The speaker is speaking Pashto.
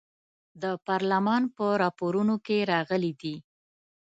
د پارلمان په راپورونو کې راغلي دي.